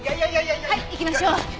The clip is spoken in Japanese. はい行きましょう。